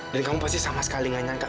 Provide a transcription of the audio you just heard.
dan kamu pasti sama sekali gak nyangka